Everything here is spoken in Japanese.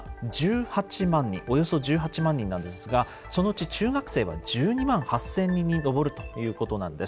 およそ１８万人なんですがそのうち中学生は１２万８，０００人に上るということなんです。